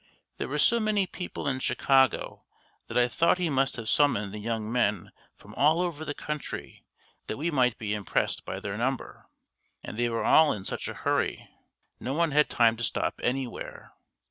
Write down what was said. "There were so many people in Chicago that I thought he must have summoned the young men from all over the country that we might be impressed by their number. And they were all in such a hurry. No one had time to stop anywhere.